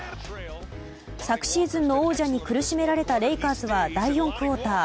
昨シーズンの王者に苦しめられたレイカーズは第４クオーター。